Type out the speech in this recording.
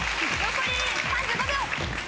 残り３５秒！